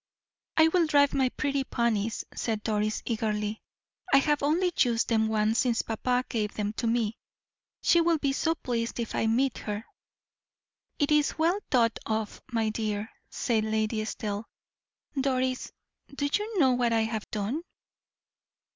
"I will drive my pretty ponies," said Doris, eagerly. "I have only used them once since papa gave them to me. She will be so pleased if I meet her." "It is well thought of, my dear," said Lady Estelle. "Doris, do you know what I have done?"